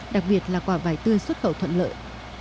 đặc biệt là quả vải tươi xuất khẩu thuận lợi